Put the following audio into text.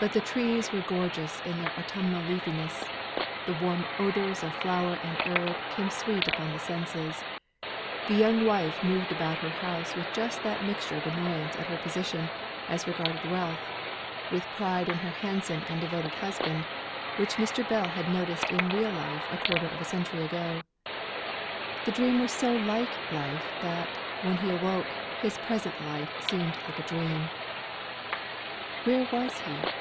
But the trees were gorgeous in their autumnal leafiness the warm odours of flower and herb came sweet upon the sense the young wife moved about the house with just that mixture of annoyance at her position, as regarded wealth, with pride in her handsome and devoted husband, which Mr. Bell had noticed in real life a quarter of a century ago. The dream was so like life that, when he awoke, his present life seemed a dream. Where was he?